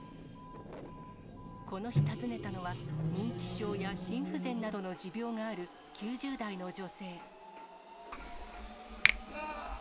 この日、訪ねたのは、認知症や心不全などの持病がある９０代の女性。